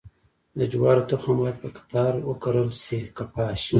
د جوارو تخم باید په قطار وکرل شي که پاش؟